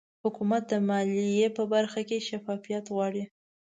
حکومت د مالیې په برخه کې شفافیت غواړي